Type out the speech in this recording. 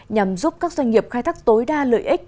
nhằm giúp các doanh nghiệp khai thác tối đa lợi ích